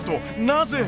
なぜ？